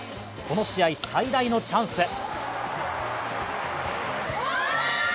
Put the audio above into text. この試合最大のチャンス。